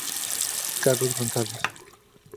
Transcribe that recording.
Carlos González